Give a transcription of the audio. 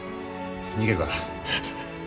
逃げるか？